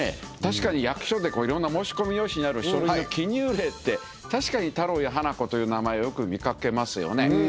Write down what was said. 役所でいろんな申込用紙にある書類の記入例って確かに「太郎」や「花子」という名前よく見掛けますよね。